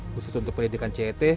khusus untuk pendidikan cet